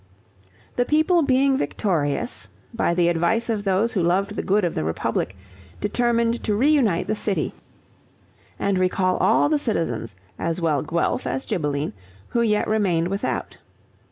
The people being victorious, by the advice of those who loved the good of the republic, determined to reunite the city, and recall all the citizens as well Guelph as Ghibelline, who yet remained without.